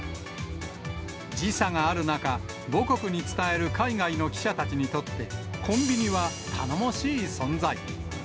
時差がある中、母国に伝える海外の記者たちにとって、コンビニは頼もしい存在。